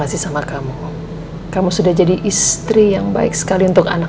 sampai jumpa di video selanjutnya